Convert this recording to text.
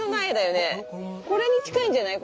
これに近いんじゃない？